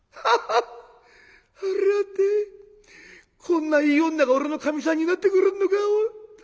こんないい女が俺のかみさんになってくれんのか。